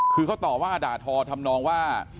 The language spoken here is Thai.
คือเขาตอบว่าดาธรรมทำนองว่า